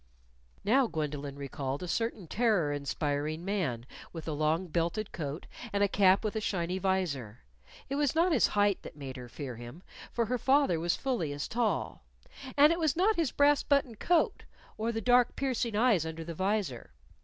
Now Gwendolyn recalled a certain terror inspiring man with a long belted coat and a cap with a shiny visor. It was not his height that made her fear him, for her father was fully as tall; and it was not his brass buttoned coat, or the dark, piercing eyes under the visor.